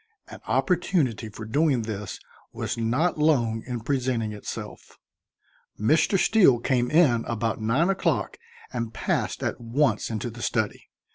An opportunity for doing this was not long in presenting itself. Mr. Steele came in about nine o'clock and passed at once into the study.